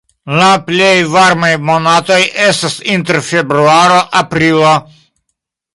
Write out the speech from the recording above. La plej varmaj monatoj estas inter februaro-aprilo.